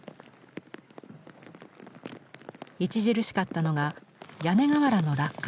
著しかったのが屋根瓦の落下や破損です。